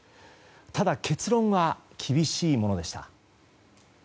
ただ、結論は厳しいものでした。